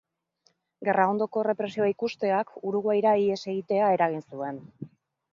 Gerra ondoko errepresioa ikusteak Uruguaira ihes egitea eragin zuen.